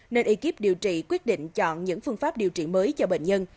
nên ekip điều trị quyết định chọn những phương pháp điều trị mới cho bệnh nhân